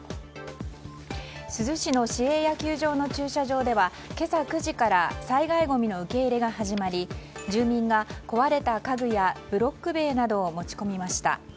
珠洲市の市営野球場の駐車場では今朝９時から災害ごみの受け入れが始まり住民が壊れた家具やブロック塀などを持ち込みました。